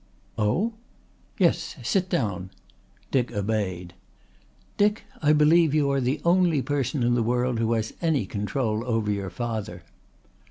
"Oh?" "Yes. Sit down." Dick obeyed. "Dick, I believe you are the only person in the world who has any control over your father."